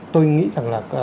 tôi nghĩ rằng là